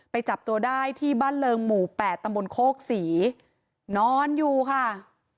จับตัวได้ที่บ้านเริงหมู่๘ตำบลโคกศรีนอนอยู่ค่ะ